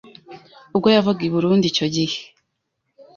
ubwo yavaga i Burundi icyo gihe